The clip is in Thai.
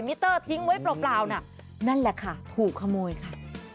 เตอร์ทิ้งไว้เปล่าน่ะนั่นแหละค่ะถูกขโมยค่ะ